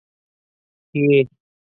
کې